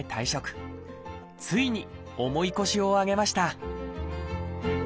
ついに重い腰を上げました